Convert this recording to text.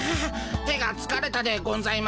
手がつかれたでゴンざいます。